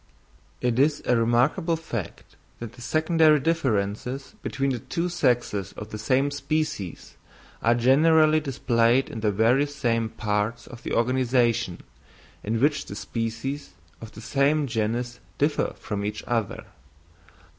It is a remarkable fact, that the secondary differences between the two sexes of the same species are generally displayed in the very same parts of the organisation in which the species of the same genus differ from each other.